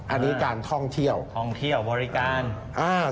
อันนี้การท่องเที่ยวท่องเที่ยวบริการอ่า